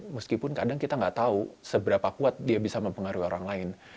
meskipun kadang kita nggak tahu seberapa kuat dia bisa mempengaruhi orang lain